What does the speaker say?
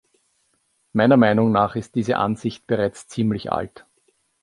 Meiner Meinung nach ist diese Ansicht bereits ziemlich alt.